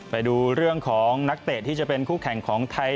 ไปดูเรื่องของนักเตะที่จะเป็นคู่แข่งของไทย